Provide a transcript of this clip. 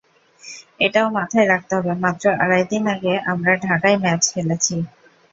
এটাও মাথায় রাখতে হবে, মাত্র আড়াই দিন আগে আমরা ঢাকায় ম্যাচ খেলেছি।